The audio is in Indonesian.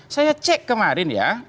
saya cek kemarin ya